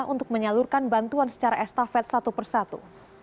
untuk menyalurkan bantuan secara estafet satu persatu